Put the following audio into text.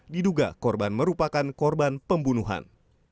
diduga korban merupakan korban pembunuhan